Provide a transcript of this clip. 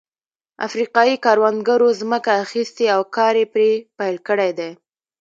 افریقايي کروندګرو ځمکه اخیستې او کار یې پرې پیل کړی دی.